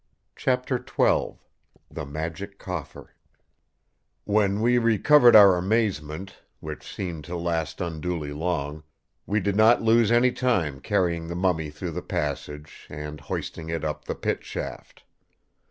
Chapter XII The Magic Coffer "When we recovered our amazement, which seemed to last unduly long, we did not lose any time carrying the mummy through the passage, and hoisting it up the Pit shaft.